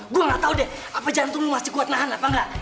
gue gak tau deh apa jantung lo masih kuat nahan apa engga